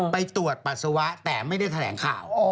ไปตรวจปัสสาวะแต่ไม่ได้แถลงข่าว